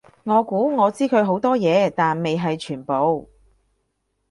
我估我知佢好多嘢，但未係全部